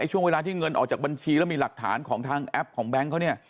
ช่วงเวลาที่เงินออกจากบัญชีแล้วมีหลักฐานของทางแอปของแบงค์เขาเนี่ย